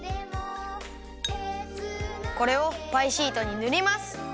これをパイシートにぬります。